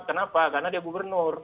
kenapa karena dia gubernur